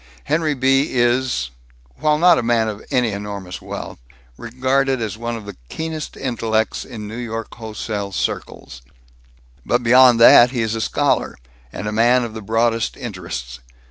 Henry B. is while not a man of any enormous wealth regarded as one of the keenest intellects in New York wholesale circles. But beyond that, he is a scholar, and a man of the broadest interests.